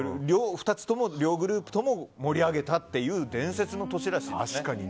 ２つとも両グループとも盛り上げたという伝説の年らしいですね。